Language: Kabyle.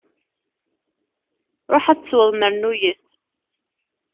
Ṛuḥ ad tesweḍ mernuyet!